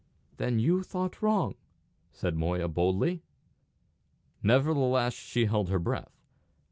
"Then you thought wrong," said Moya, boldly. Nevertheless she held her breath.